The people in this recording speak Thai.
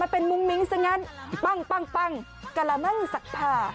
เป็นมุ้งมิ้งซะงั้นปั้งปั้งปั้งกะละมั่งสักพา